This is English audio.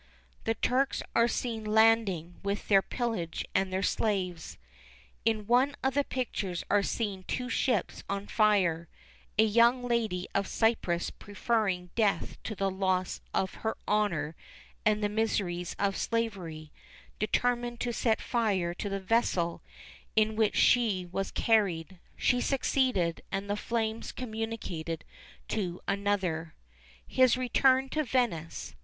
The Turks are seen landing with their pillage and their slaves. In one of the pictures are seen two ships on fire; a young lady of Cyprus preferring death to the loss of her honour and the miseries of slavery, determined to set fire to the vessel in which she was carried; she succeeded, and the flames communicated to another. His return to Venice.